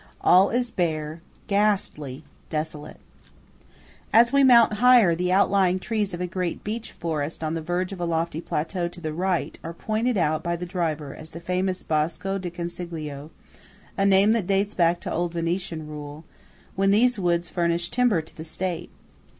All is bare, ghastly, desolate. As we mount higher, the outlying trees of a great beech forest on the verge of a lofty plateau to the right, are pointed out by the driver as the famous Bosco del Consiglio–a name that dates back to old Venetian rule, when these woods furnished timber to the state.